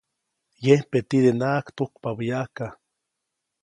Yempe tidenaʼajk tujkpabä yaʼajka.